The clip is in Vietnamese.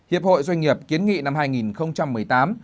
hiệp hội doanh nghiệp kiến nghị năm hai nghìn một mươi tám